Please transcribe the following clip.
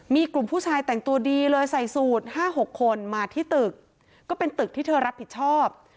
มีกลุ่มผู้ชายแต่งตัวดีเลยใส่สูตร๕๖คนมาที่ตึกก็เป็นตึกที่เธอรับผิดชอบ